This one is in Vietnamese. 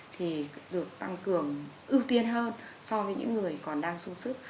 thì được tăng cường ưu tiên hơn so với những người còn đang sung sức